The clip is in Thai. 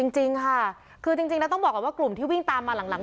จริงค่ะคือจริงแล้วต้องบอกก่อนว่ากลุ่มที่วิ่งตามมาหลัง